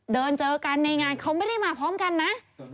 เจอกันในงานเขาไม่ได้มาพร้อมกันนะ